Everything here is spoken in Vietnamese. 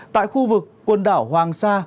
tại khu vực quần đảo hoàng sa